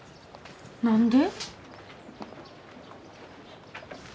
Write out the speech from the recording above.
何で？